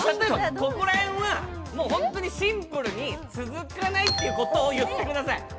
ここら辺は本当にシンプルに続かないってことを言ってください。